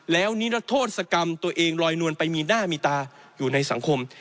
แล้วนิรโทษกรรมตัวเองลอยนวลไปมีหน้ามีตาอยู่ในสังคม